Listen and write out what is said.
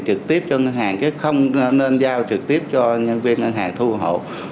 trực tiếp cho ngân hàng chứ không nên giao trực tiếp cho nhân viên ngân hàng thu hộ